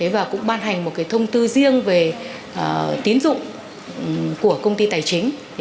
và cũng ban hành một thông tư riêng về tín dụng của công ty tài chính